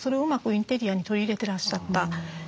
インテリアに取り入れてらっしゃった。